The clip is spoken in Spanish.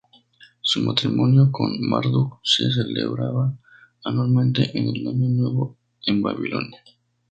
Su matrimonio con Marduk se celebraba anualmente en el Año Nuevo en Babilonia.